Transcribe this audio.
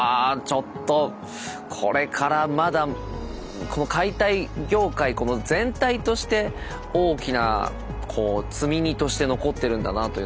ちょっとこれからまだ解体業界この全体として大きな積み荷として残ってるんだなあというのを感じました。